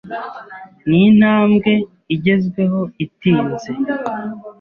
Ni intambwe igezweho itinze